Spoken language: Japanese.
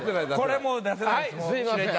これもう出せないです。